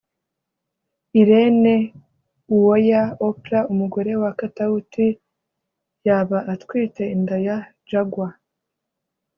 Irene Uwoya(Oprah) umugore wa Katauti yaba atwite inda ya Jaguar